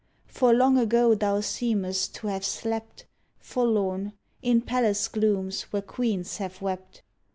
For long ago thou seemest to have slept, Forlorn, in palace glooms where queens have wept.